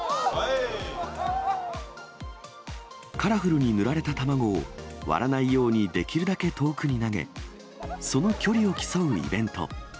カラフルに塗られた卵を、割らないようにできるだけ遠くに投げ、その距離を競うイベント。